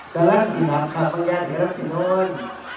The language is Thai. แต่ละสี่หลับขับบริการเหลือสิโน่น